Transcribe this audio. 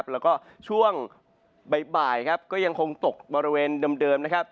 แล้วก็ช่วงบ่ายก็ยังคงตกบริเวณเดิม